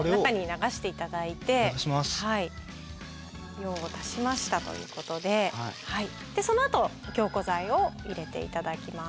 用を足しましたということででそのあと凝固剤を入れて頂きます。